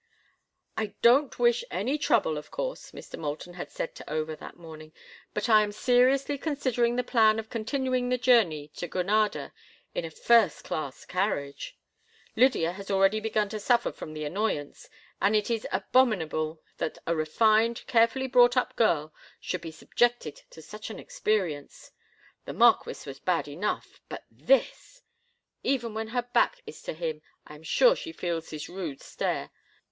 "I don't wish any trouble, of course," Mr. Moulton had said to Over that morning, "but I am seriously considering the plan of continuing the journey to Granada in a first class carriage. Lydia has already begun to suffer from the annoyance, and it is abominable that a refined, carefully brought up girl should be subjected to such an experience. The marquis was bad enough—but this! Even when her back is to him I am sure she feels his rude stare.